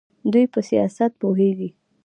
دوی په سیاست پوهیږي.